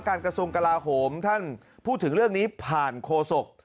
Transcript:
กระทรวงกลาโหมท่านพูดถึงเรื่องนี้ผ่านโคศก